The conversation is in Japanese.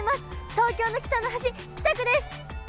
東京の北の端北区です！